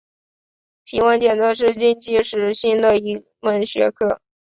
皮纹检测是近期时兴的一门学科。